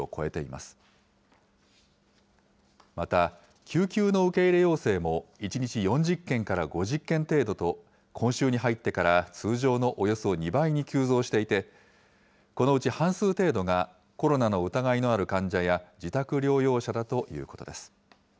また救急の受け入れ要請も、１日４０件から５０件程度と、今週に入ってから通常のおよそ２倍に急増していて、このうち半数程度が、コロナの疑いのある患者や自宅療養者だということです。